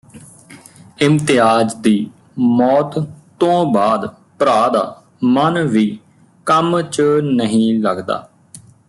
ਇਮਤਿਆਜ ਦੀ ਮੌਤ ਤੋਂ ਬਾਅਦ ਭਰਾ ਦਾ ਮਨ ਵੀ ਕੰਮ ਚ ਨਹੀਂ ਲੱਗਦਾ